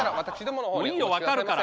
もういいよ分かるから。